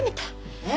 えっ！？